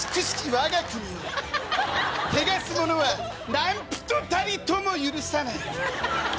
わが国を汚す者は何人たりとも許さない。